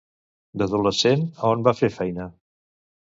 D'adolescent, a on va fer feina?